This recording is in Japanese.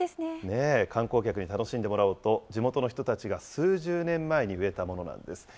観光客に楽しんでもらおうと、地元の人たちが数十年前に植えたものなんです。